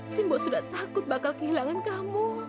simbo sudah takut bakal kehilangan kamu